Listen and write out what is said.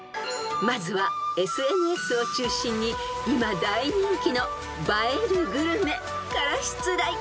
［まずはＳＮＳを中心に今大人気の映えるグルメから出題］